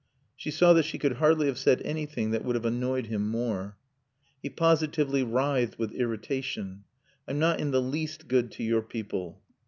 She saw that she could hardly have said anything that would have annoyed him more. He positively writhed with irritation. "I'm not in the least good to your people."